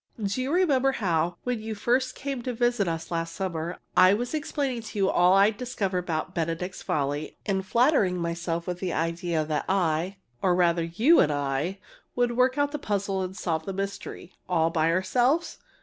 Do you remember how, when you first came to visit us last summer, I was explaining to you all I'd discovered about "Benedict's Folly" and flattering myself with the idea that I, or, rather, you and I, would work out the puzzle and solve the mystery all by ourselves?